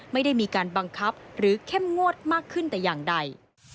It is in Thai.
ไม่ได้มีการบังคับหรือเข้มงวดมากขึ้นแต่อย่างใด